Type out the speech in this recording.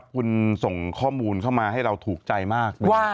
คุณส่งข้อมูลเข้ามาให้เราถูกใจมาก